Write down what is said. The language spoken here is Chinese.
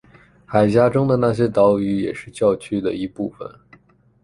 海峡中的那些岛屿也是教区的一部分。